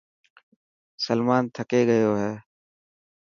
سلمان ٿڪي گيو هي.